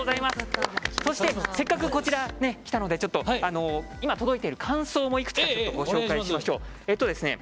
そして、せっかくこちらに来たので今、届いている感想もいくつかご紹介しましょう。